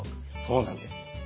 そうなんです。